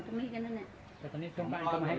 ผมบอก